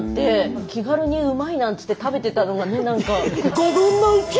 気軽にうまいなんつって食べてたのがねなんか。